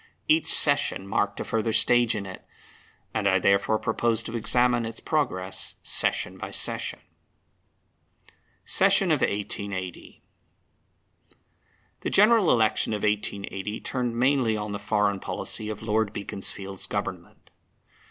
Each session marked a further stage in it; and I therefore propose to examine its progress session by session. Session of 1880. The General Election of 1880 turned mainly on the foreign policy of Lord Beaconsfield's Government.